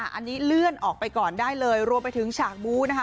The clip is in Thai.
อันนี้เลื่อนออกไปก่อนได้เลยรวมไปถึงฉากบู้นะคะ